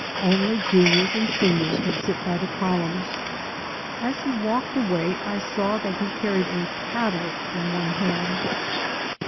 Only juniors and seniors can sit by the columns/' As he walked away I saw that he carried a "paddle in one hand.